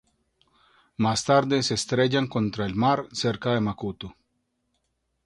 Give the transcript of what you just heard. Más tarde se estrellan contra el mar cerca de Macuto.